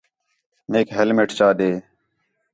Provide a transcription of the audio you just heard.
میک ہیلمٹ چا ݙے